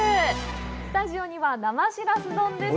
スタジオには、生シラス丼です。